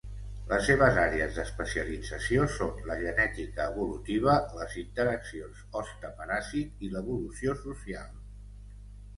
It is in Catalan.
Les seves àrees d'especialització són la genètica evolutiva, les interaccions hoste-paràsit i l'evolució social.